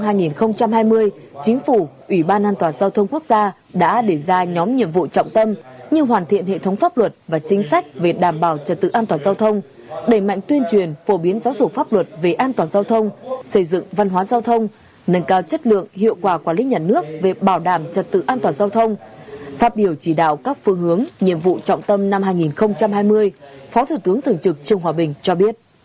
trong năm hai nghìn hai mươi chính phủ ủy ban an toàn giao thông quốc gia đã đề ra nhóm nhiệm vụ trọng tâm như hoàn thiện hệ thống pháp luật và chính sách về đảm bảo trật tự an toàn giao thông đẩy mạnh tuyên truyền phổ biến giáo dục pháp luật về an toàn giao thông xây dựng văn hóa giao thông nâng cao chất lượng hiệu quả quản lý nhà nước về bảo đảm trật tự an toàn giao thông phát biểu chỉ đạo các phương hướng nhiệm vụ trọng tâm năm hai nghìn hai mươi phó thủ tướng thường trực trương hòa bình cho biết